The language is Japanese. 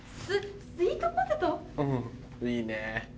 いいね。